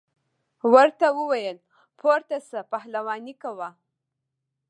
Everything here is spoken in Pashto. ورته وویل پورته شه پهلواني کوه.